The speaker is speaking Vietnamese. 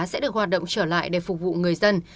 sẽ được hoạt động trở lại để phục vụ người dân